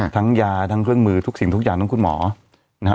ทั้งยาทั้งเครื่องมือทุกสิ่งทุกอย่างทั้งคุณหมอนะฮะ